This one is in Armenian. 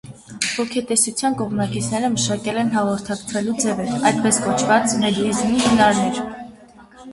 Ոգետեսության կողմնակիցները «մշակել» են հաղորդակցվելու ձևեր, այսպես կոչված, մեդիումիզմի հնարներ։